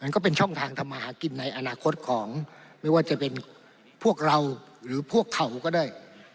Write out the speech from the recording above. ก็เป็นช่องทางทำมาหากินในอนาคตของไม่ว่าจะเป็นพวกเราหรือพวกเขาก็ได้